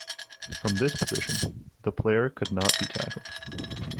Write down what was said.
From this position the player could not be tackled.